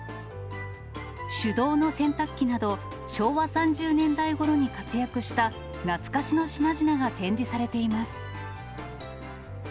手動の洗濯機など、昭和３０年代ごろに活躍した、懐かしの品々が展示されています。